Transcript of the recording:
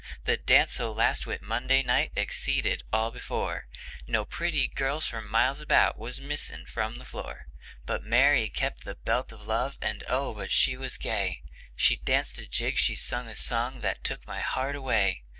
The dance o' last Whit Monday night exceeded all before; No pretty girl for miles about was missing from the floor; But Mary kept the belt of love, and oh, but she was gay! She danced a jig, she sung a song, that took my heart away.